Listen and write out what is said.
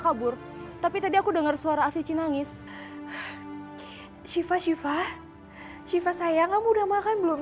kabur tapi tadi aku dengar suara afif nangis siva siva siva sayang kamu udah makan belum